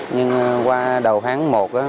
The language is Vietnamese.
nhưng qua đầu tháng một